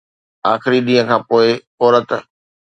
آخري ڏينهن کان پوء عورت